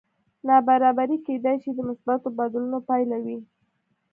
نابرابري کېدی شي د مثبتو بدلونونو پایله وي